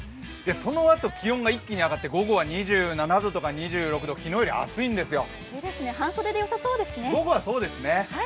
そのあと気温が一気に上がって午後は２７度とか２６度、昨日より暑いんですよ。